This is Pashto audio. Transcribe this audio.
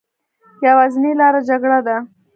يوازينۍ لاره جګړه ده